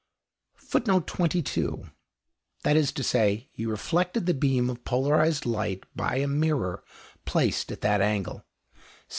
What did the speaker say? [Footnote 22: That is to say, he reflected the beam of polarized light by a mirror placed at that angle.